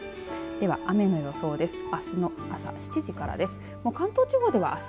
では雨の予想です。